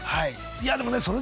いやでもね。